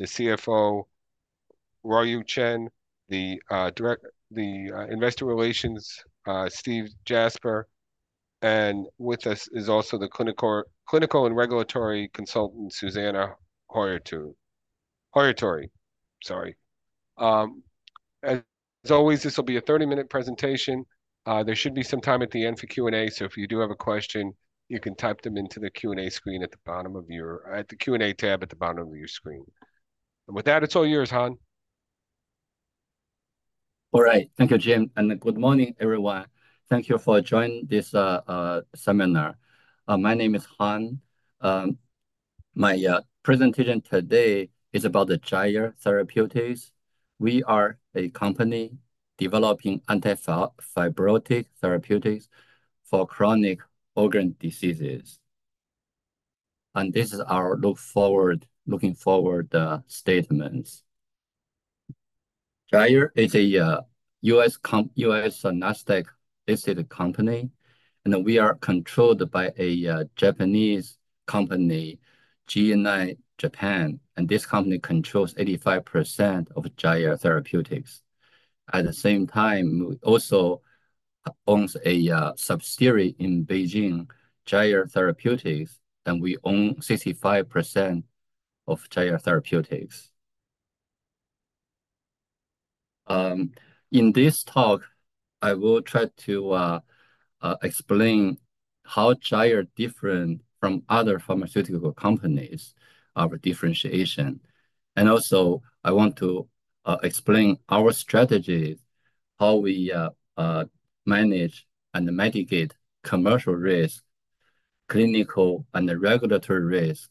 the CFO, Ruoyu Chen, the Investor Relations, Steve Jasper, and with us is also the Clinical and Regulatory Consultant, Susannah Hoyertory. Sorry. As always, this will be a 30-minute presentation. There should be some time at the end for Q&A, so if you do have a question, you can type them into the Q&A screen at the bottom of your, at the Q&A tab at the bottom of your screen. And with that, it's all yours, Han. All right. Thank you, Jim, and good morning, everyone. Thank you for joining this seminar. My name is Han. My presentation today is about the Gyre Therapeutics. We are a company developing anti-fibrotic therapeutics for chronic organ diseases. And this is our forward-looking statements. Gyre is a U.S. NASDAQ-listed company, and we are controlled by a Japanese company, GNI Japan, and this company controls 85% of Gyre Therapeutics. At the same time, we also owns a subsidiary in Beijing, Gyre Pharmaceuticals, and we own 65% of Gyre Pharmaceuticals. In this talk, I will try to explain how Gyre different from other pharmaceutical companies, our differentiation. I want to explain our strategies, how we manage and mitigate commercial risk, clinical and regulatory risk,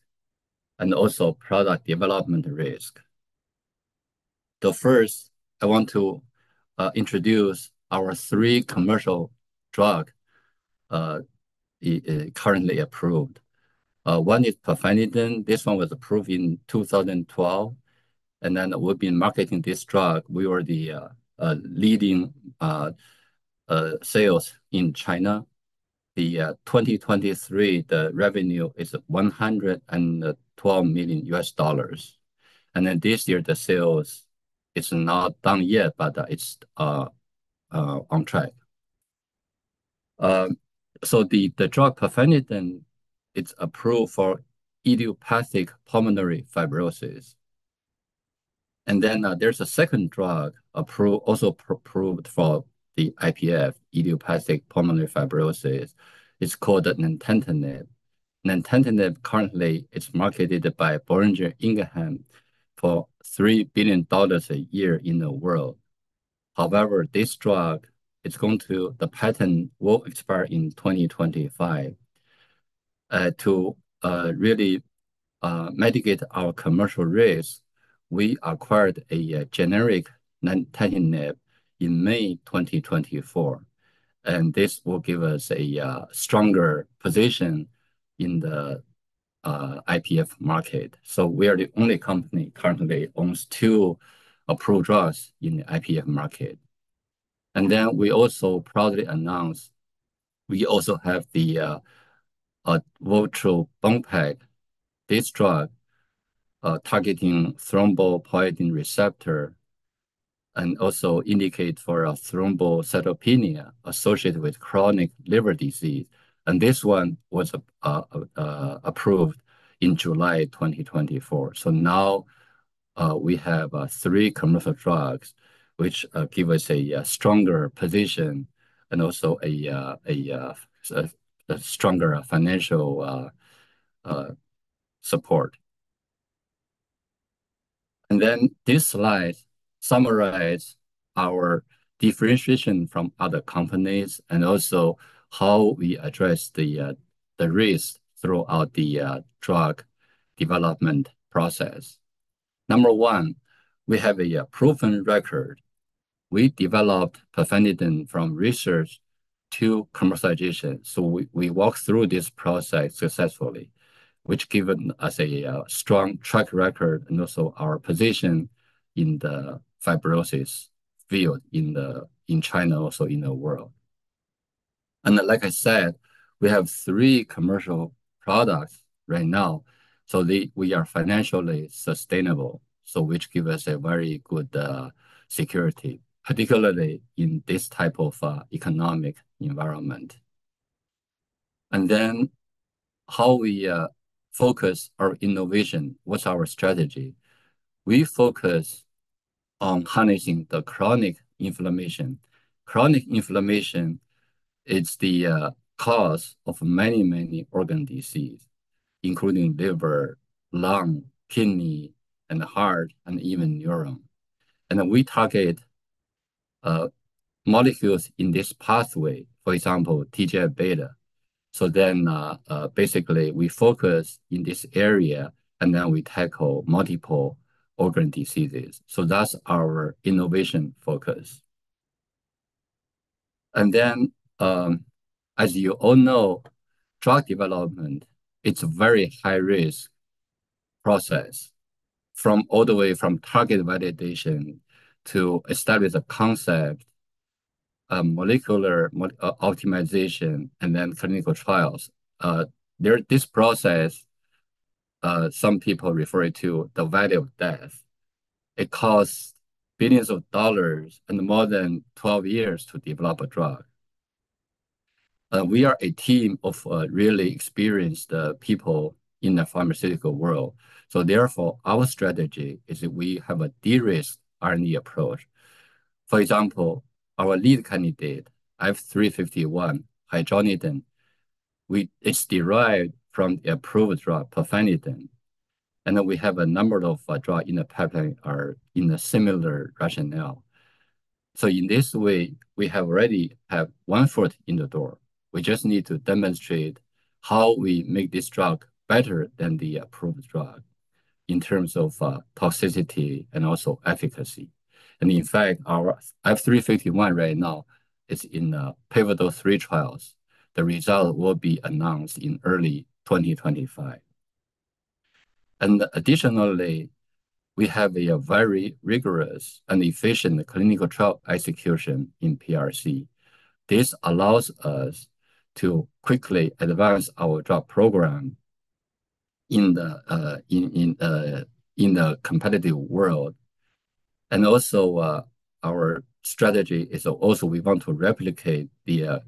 and also product development risk. First, I want to introduce our three commercial drug currently approved. One is Pirfenidone. This one was approved in 2012, and then we've been marketing this drug. We were the leading sales in China. The 2023, the revenue is $112 million, and then this year, the sales is not done yet, but it's on track. So the drug Pirfenidone, it's approved for idiopathic pulmonary fibrosis. Then, there's a second drug, approved, also approved for the IPF, idiopathic pulmonary fibrosis. It's called Nintedanib. Nintedanib currently is marketed by Boehringer Ingelheim for $3 billion a year in the world. However, this drug is going to... the patent will expire in 2025. To really mitigate our commercial risk, we acquired a generic Nintedanib in May 2024, and this will give us a stronger position in the IPF market. So we are the only company currently owns two approved drugs in the IPF market. And then we also proudly announce we also have the Avatrombopag. This drug targeting thrombopoietin receptor and also indicates for thrombocytopenia associated with chronic liver disease, and this one was approved in July 2024. So now we have three commercial drugs, which give us a stronger position and also a stronger financial support. Then this slide summarizes our differentiation from other companies and also how we address the risk throughout the drug development process. Number one, we have a proven record. We developed Pirfenidone from research to commercialization, so we walked through this process successfully, which given us a strong track record and also our position in the fibrosis field in China, also in the world. And like I said, we have three commercial products right now, so we are financially sustainable, so which give us a very good security, particularly in this type of economic environment. And then, how we focus our innovation, what's our strategy? We focus on harnessing the chronic inflammation. Chronic inflammation, it's the cause of many, many organ disease, including liver, lung, kidney, and heart, and even neuron. We target molecules in this pathway, for example, TGF-beta. Basically, we focus in this area, and then we tackle multiple organ diseases. That's our innovation focus. As you all know, drug development, it's a very high-risk process from all the way from target validation to establish a concept, molecular optimization and then clinical trials. There, this process, some people refer it to the valley of death. It costs billions of dollars and more than 12 years to develop a drug. We are a team of really experienced people in the pharmaceutical world, so therefore, our strategy is that we have a de-risk R&D approach. For example, our lead candidate, F351, Hydronidone, it's derived from the approved drug, Pirfenidone, and then we have a number of drug in the pipeline are in a similar rationale. So in this way, we have already have one foot in the door. We just need to demonstrate how we make this drug better than the approved drug in terms of toxicity and also efficacy. And in fact, our F351 right now is in pivotal 3 trials. The result will be announced in early 2025. And additionally, we have a very rigorous and efficient clinical trial execution in PRC. This allows us to quickly advance our drug program in the competitive world. And also, our strategy is also we want to replicate the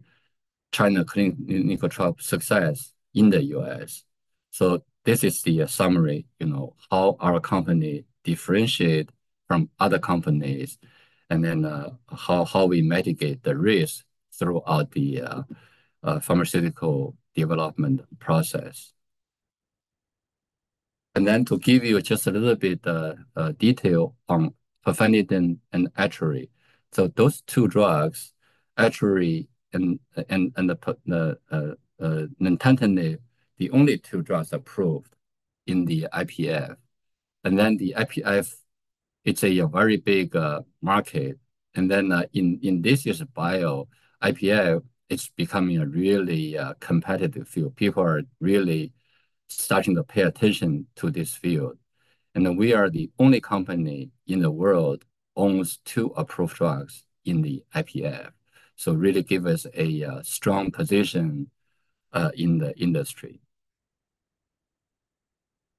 China clinical trial success in the US. So this is the summary, you know, how our company differentiate from other companies and then how we mitigate the risk throughout the pharmaceutical development process. And then to give you just a little bit detail on Pirfenidone and Estuary. So those two drugs, Estuary and the Nintedanib, the only two drugs approved in the IPF. And then the IPF, it's a very big market, and then in this bio, IPF, it's becoming a really competitive field. People are really starting to pay attention to this field. And we are the only company in the world owns two approved drugs in the IPF, so really give us a strong position in the industry.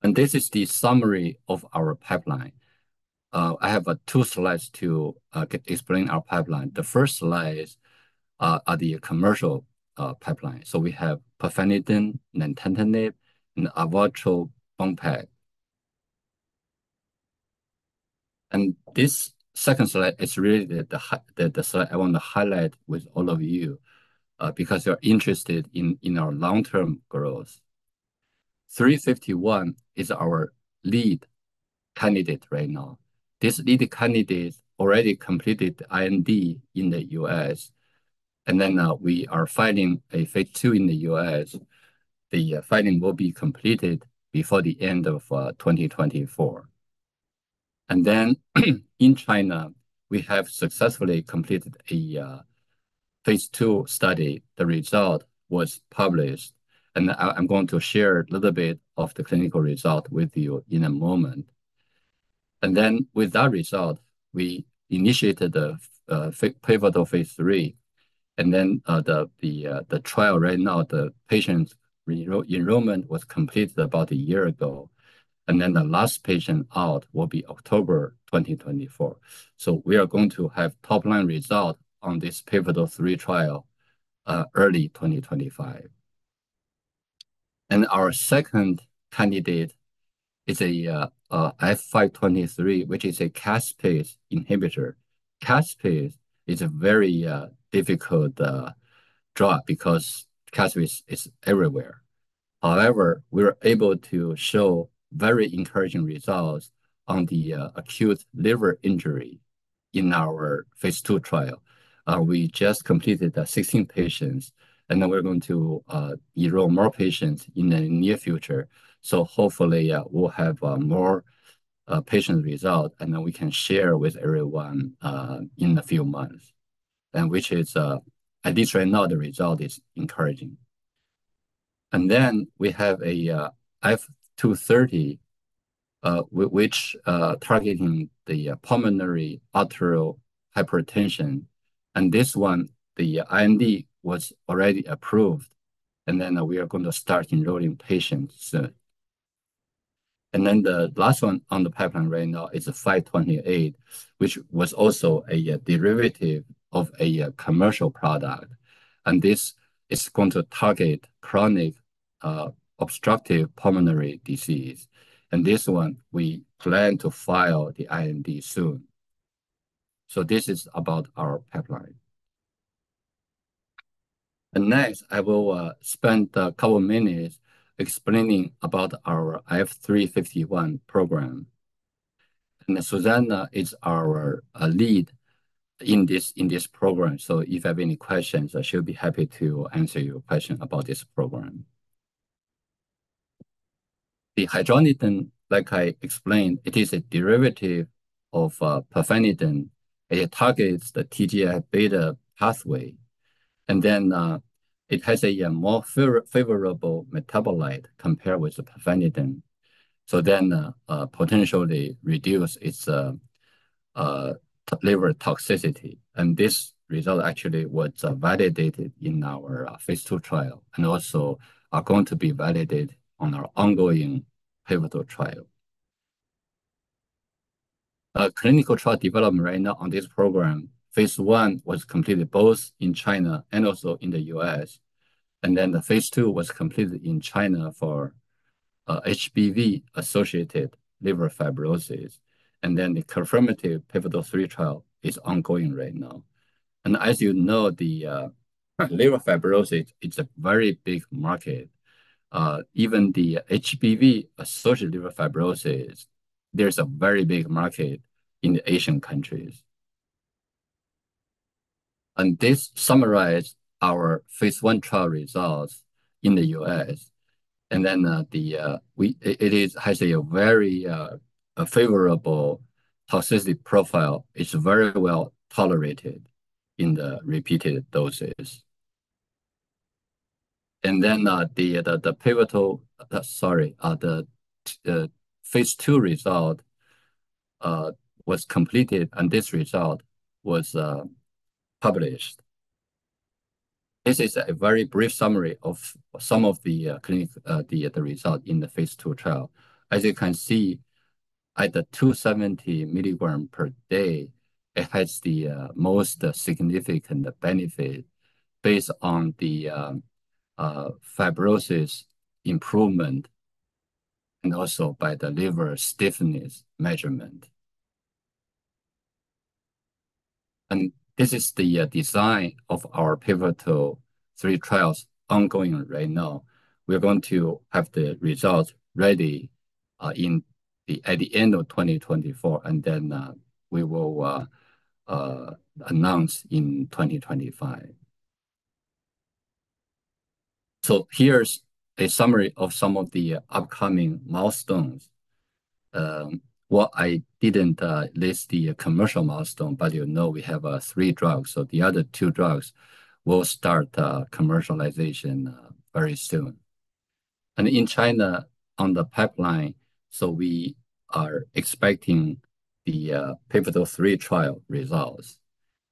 And this is the summary of our pipeline. I have two slides to explain our pipeline. The first slides are the commercial pipeline. So we have Pirfenidone, Nintedanib, and Avatrombopag. This second slide is really the slide I want to highlight with all of you, because you're interested in our long-term growth. 351 is our lead candidate right now. This lead candidate already completed IND in the U.S., and then we are filing a phase II in the U.S. The filing will be completed before the end of 2024. And then, in China, we have successfully completed a phase II study. The result was published, and I'm going to share a little bit of the clinical result with you in a moment. Then with that result, we initiated the pivotal phase III, and then the trial right now, the patient's enrollment was completed about a year ago, and then the last patient out will be October 2024. We are going to have top-line result on this pivotal phase III trial early 2025. Our second candidate is IF-523, which is a caspase inhibitor. Caspase is a very difficult drug because caspase is everywhere. However, we were able to show very encouraging results on the acute liver injury in our phase II trial. We just completed the 16 patients, and then we're going to enroll more patients in the near future. So hopefully, we'll have more patient result, and then we can share with everyone in a few months, and which is at this right now, the result is encouraging. And then we have a F230, which targeting the pulmonary arterial hypertension. And this one, the IND was already approved, and then we are going to start enrolling patients soon. And then the last one on the pipeline right now is a 528, which was also a derivative of a commercial product, and this is going to target chronic obstructive pulmonary disease. And this one, we plan to file the IND soon. So this is about our pipeline. And next, I will spend a couple minutes explaining about our F351 program. Susannah is our lead in this program, so if you have any questions, she'll be happy to answer your question about this program. The Hydronidone, like I explained, it is a derivative of Pirfenidone, and it targets the TGF-beta pathway... and then it has a more favorable metabolite compared with the Pirfenidone. So then potentially reduce its liver toxicity. And this result actually was validated in our phase 2 trial, and also are going to be validated on our ongoing pivotal trial. Clinical trial development right now on this program, phase 1 was completed both in China and also in the U.S., and then the phase 2 was completed in China for HBV-associated liver fibrosis, and then the confirmatory pivotal 3 trial is ongoing right now. As you know, the liver fibrosis, it's a very big market. Even the HBV-associated liver fibrosis, there's a very big market in the Asian countries. And this summarizes our phase 1 trial results in the U.S. And then, it has a very favorable toxicity profile. It's very well tolerated in the repeated doses. And then, the phase 2 result was completed, and this result was published. This is a very brief summary of some of the clinical results in the phase 2 trial. As you can see, at the 270 milligrams per day, it has the most significant benefit based on the fibrosis improvement and also by the liver stiffness measurement. This is the design of our pivotal 3 trials ongoing right now. We are going to have the results ready at the end of 2024, and then we will announce in 2025. Here's a summary of some of the upcoming milestones. Well, I didn't list the commercial milestone, but you know we have three drugs, so the other two drugs will start commercialization very soon. In China, on the pipeline, so we are expecting the pivotal 3 trial results,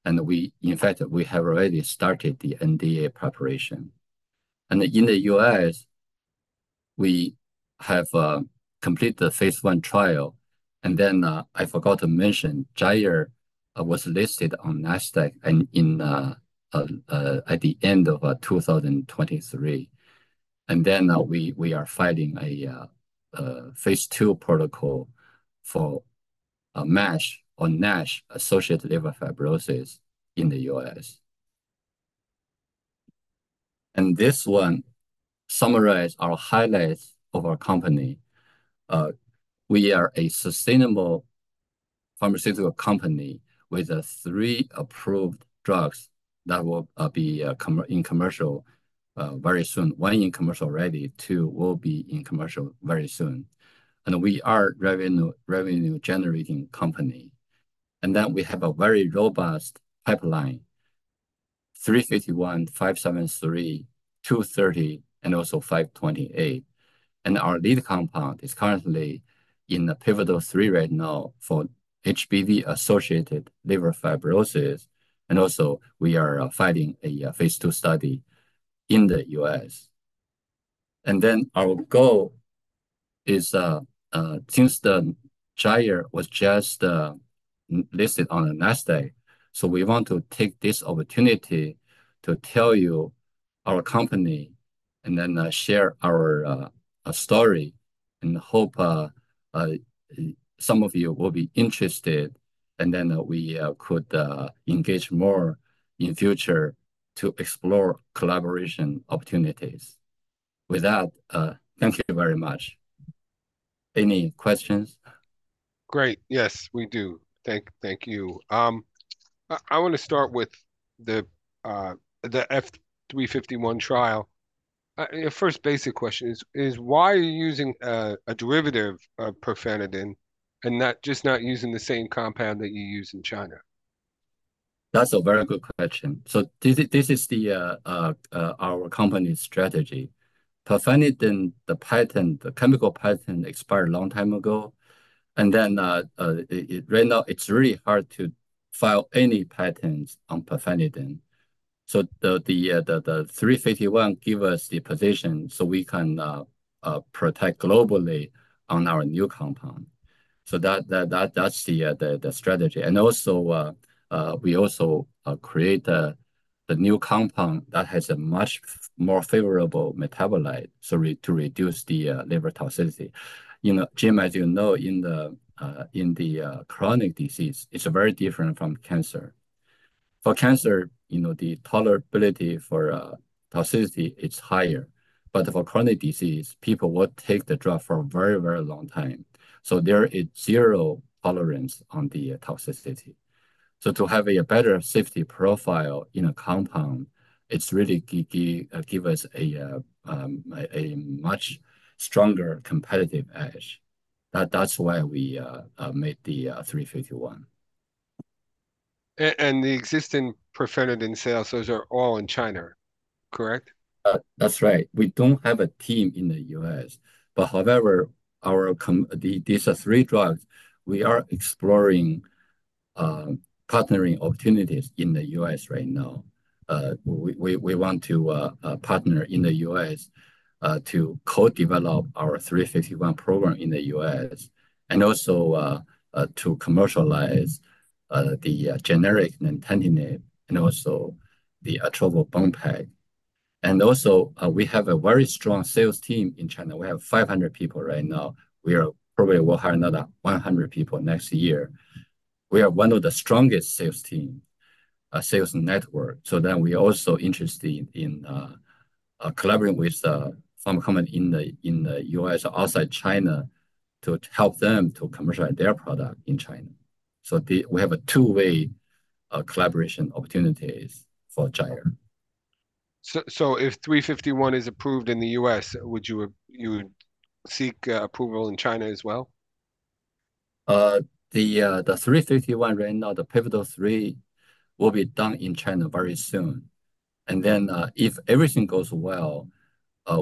and we, in fact, have already started the NDA preparation. In the U.S., we have completed the phase 1 trial, and then I forgot to mention, Gyre was listed on Nasdaq at the end of 2023. We are filing a phase 2 protocol for MASH or NASH-associated liver fibrosis in the U.S. And this one summarizes our highlights of our company. We are a sustainable pharmaceutical company with three approved drugs that will be in commercial very soon. One in commercial already, two will be in commercial very soon. And we are a revenue-generating company. And then we have a very robust pipeline: F351, F573, F230, and also F528. And our lead compound is currently in the pivotal 3 right now for HBV-associated liver fibrosis, and also we are filing a phase 2 study in the U.S. And then our goal is, since the Gyre was just listed on the Nasdaq, so we want to take this opportunity to tell you our company, and then share our story, and hope some of you will be interested, and then we could engage more in future to explore collaboration opportunities. With that, thank you very much. Any questions? Great. Yes, we do. Thank you. I want to start with the F351 trial. The first basic question is why are you using a derivative of Pirfenidone and not just using the same compound that you use in China? That's a very good question. So this is our company's strategy. Pirfenidone, the patent, the chemical patent expired a long time ago, and then, right now, it's really hard to file any patents on Pirfenidone. So the F351 gives us the position so we can protect globally on our new compound. So that, that's the strategy. And also, we also create the new compound that has a much more favorable metabolite, so to reduce the liver toxicity. You know, Jim, as you know, in the chronic disease, it's very different from cancer. For cancer, you know, the tolerability for toxicity, it's higher, but for chronic disease, people would take the drug for a very, very long time, so there is zero tolerance on the toxicity. So to have a better safety profile in a compound, it's really give us a much stronger competitive edge. That's why we made the 351. And the existing Pirfenidone sales, those are all in China, correct? That's right. We don't have a team in the U.S., but however, these are three drugs we are exploring partnering opportunities in the U.S. right now. We want to partner in the U.S. to co-develop our 351 program in the U.S., and also to commercialize the generic Nintedanib, and also the Avatrombopag. Also, we have a very strong sales team in China. We have 500 people right now. Probably we'll hire another 100 people next year. We are one of the strongest sales team, sales network, so we are also interested in collaborating with some company in the U.S. or outside China to help them to commercialize their product in China. So, we have a two-way collaboration opportunities for Gyre. If 351 is approved in the U.S., would you, you would seek approval in China as well? The 351 right now, the Pivotal Three will be done in China very soon. Then, if everything goes well,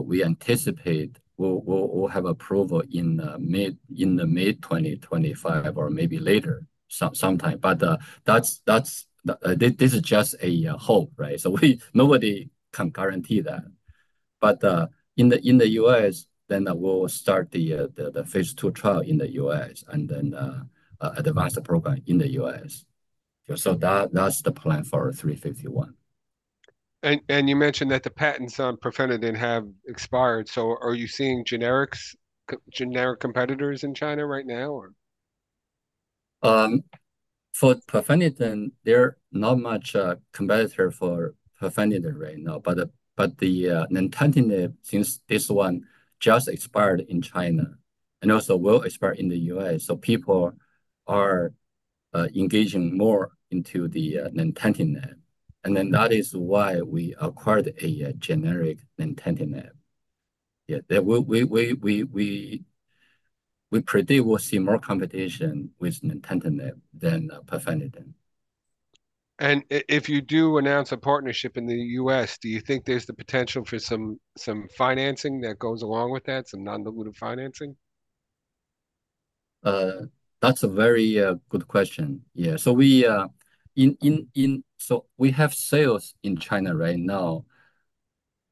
we anticipate we'll, we'll, we'll have approval in mid-2025 or maybe later, sometime. But that's, that's this is just a hope, right? So nobody can guarantee that. But in the U.S., then we'll start the phase II trial in the U.S., and then advance the program in the U.S. So that, that's the plan for 351. You mentioned that the patents on Pirfenidone have expired, so are you seeing generics, generic competitors in China right now, or? For Pirfenidone, there are not much competitor for Pirfenidone right now. But the Nintedanib, since this one just expired in China, and also will expire in the U.S., so people are engaging more into the Nintedanib. And then, that is why we acquired a generic Nintedanib. Yeah, that we predict we'll see more competition with Nintedanib than Pirfenidone. If you do announce a partnership in the U.S., do you think there's the potential for some, some financing that goes along with that, some non-dilutive financing? That's a very good question. Yeah, so we have sales in China right now,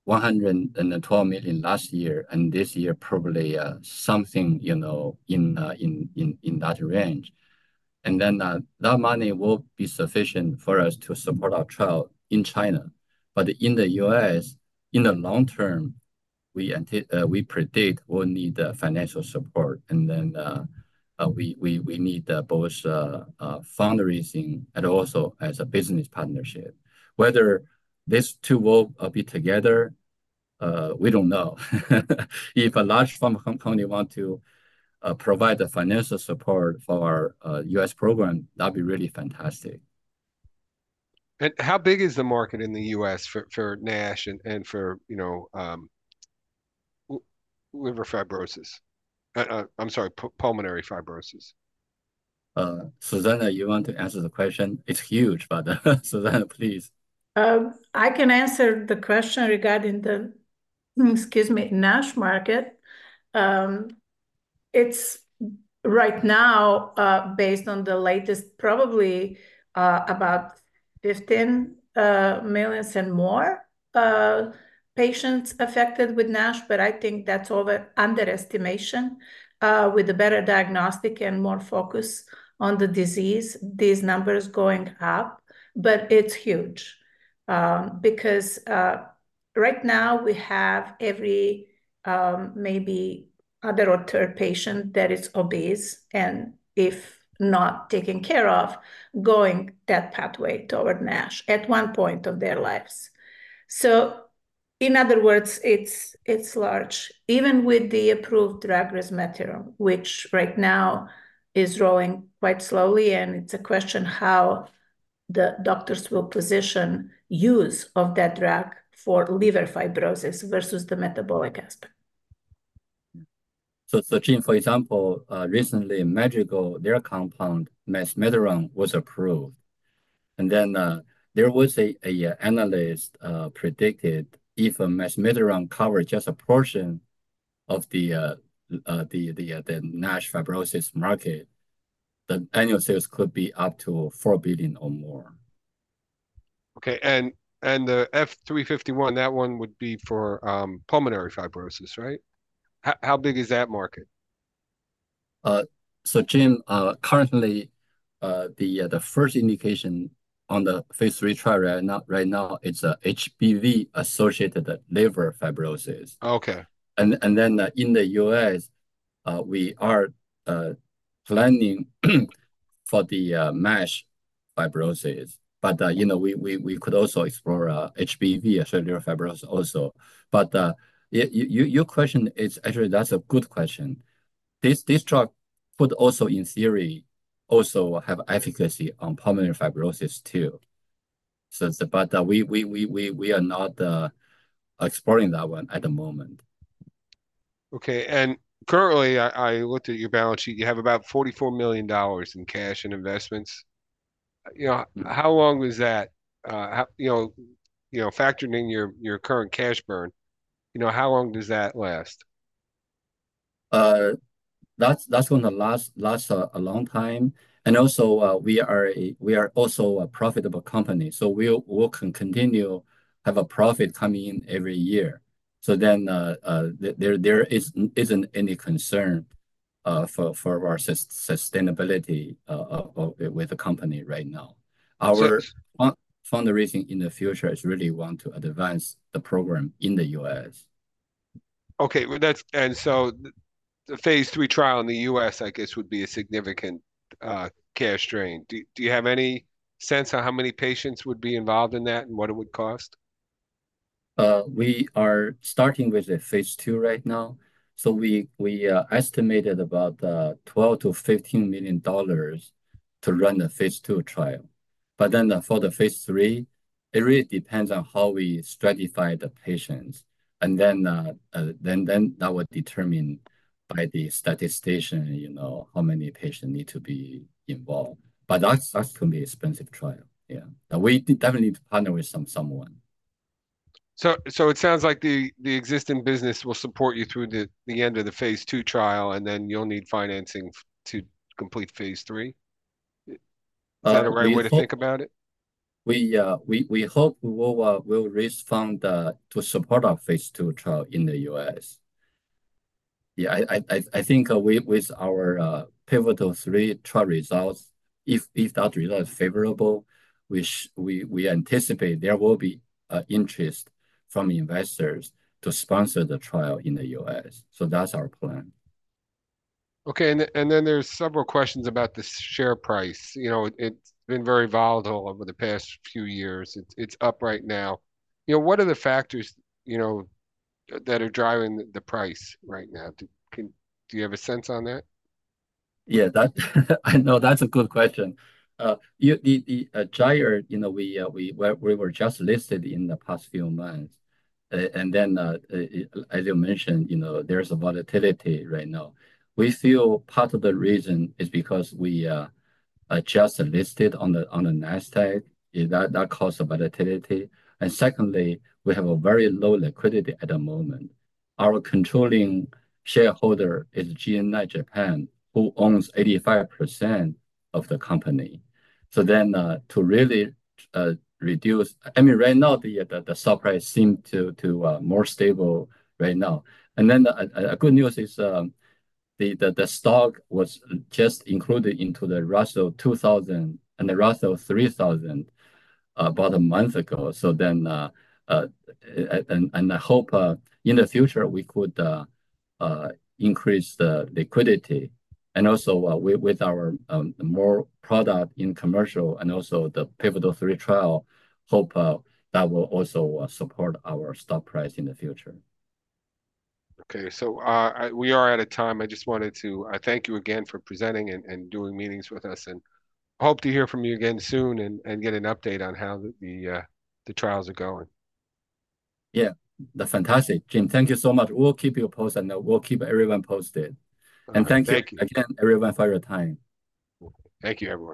$112 million last year, and this year, probably something, you know, in that range. And then, that money will be sufficient for us to support our trial in China. But in the U.S., in the long term, we predict we'll need financial support, and then we need both fundraising and also as a business partnership. Whether these two will be together, we don't know. If a large pharma company want to provide the financial support for our U.S. program, that'd be really fantastic. How big is the market in the U.S. for NASH and for, you know, liver fibrosis? I'm sorry, pulmonary fibrosis. Susana, you want to answer the question? It's huge, but, Susana, please. I can answer the question regarding the, excuse me, NASH market. It's right now, based on the latest, probably, about 15 million and more patients affected with NASH, but I think that's an underestimation. With the better diagnostic and more focus on the disease, these numbers going up, but it's huge. Because, right now, we have every, maybe other or third patient that is obese, and if not taken care of, going that pathway toward NASH at one point of their lives. So in other words, it's, it's large. Even with the approved drug, Resmetirom, which right now is growing quite slowly, and it's a question how the doctors will position use of that drug for liver fibrosis versus the metabolic aspect. So, Jim, for example, recently, Madrigal, their compound, Resmetirom, was approved. And then, there was an analyst predicted if Resmetirom covered just a portion of the NASH fibrosis market, the annual sales could be up to $4 billion or more. Okay, and the F351, that one would be for pulmonary fibrosis, right? How big is that market? So Jim, currently, the first indication on the phase III trial right now, right now, it's HBV-associated liver fibrosis. Okay. Then, in the US, we are planning for the MASH fibrosis. But, you know, we could also explore HBV-associated fibrosis also. But, your question is... Actually, that's a good question. This drug could also, in theory, also have efficacy on pulmonary fibrosis too.... So it's about, we are not exploring that one at the moment. Okay, and currently, I looked at your balance sheet, you have about $44 million in cash and investments. You know, how long was that? You know, you know, factoring in your current cash burn, you know, how long does that last? That's gonna last a long time, and also, we are also a profitable company, so we'll continue have a profit coming in every year. So then, there isn't any concern for our sustainability with the company right now. So- Our fundraising in the future is really want to advance the program in the U.S. Okay, well, that's... And so the phase 3 trial in the U.S., I guess, would be a significant cash drain. Do you have any sense on how many patients would be involved in that, and what it would cost? We are starting with the phase 2 right now, so we estimated about $12-$15 million to run the phase 2 trial. But then for the phase 3, it really depends on how we stratify the patients, and then that would determine by the statistician, you know, how many patients need to be involved. But that's gonna be expensive trial, yeah. And we definitely need to partner with someone. So, it sounds like the existing business will support you through the end of the phase 2 trial, and then you'll need financing to complete phase 3? We hope- Is that the right way to think about it? We hope we will raise fund to support our phase 2 trial in the U.S. Yeah, I think with our pivotal 3 trial results, if that result is favorable, which we anticipate, there will be interest from investors to sponsor the trial in the U.S., so that's our plan. Okay, and then there's several questions about the share price. You know, it's been very volatile over the past few years. It's up right now. You know, what are the factors, you know, that are driving the price right now? Do you have a sense on that? Yeah, that I know that's a good question. You... The, the, Gyre, you know, we, we, we were just listed in the past few months. And then, as you mentioned, you know, there's a volatility right now. We feel part of the reason is because we, just listed on the- on the Nasdaq, and that, that caused the volatility. And secondly, we have a very low liquidity at the moment. Our controlling shareholder is GNI Japan, who owns 85% of the company. So then, to really, reduce... I mean, right now, the, the stock price seem to, to, more stable right now. And then, a good news is, the, the, the stock was just included into the Russell 2000 and the Russell 3000 about a month ago, so then... And I hope in the future we could increase the liquidity. And also, with our more product in commercial and also the Pivotal 3 trial, hope that will also support our stock price in the future. Okay, so, we are out of time. I just wanted to thank you again for presenting and doing meetings with us, and hope to hear from you again soon and get an update on how the trials are going. Yeah. That's fantastic, Jim. Thank you so much. We'll keep you posted, and we'll keep everyone posted. All right. Thank you. Thank you again, everyone, for your time. Thank you, everyone.